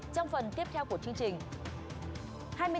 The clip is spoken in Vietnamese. trong phần tiếp theo của chương trình